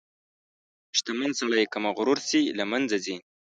• شتمن سړی که مغرور شي، له منځه ځي.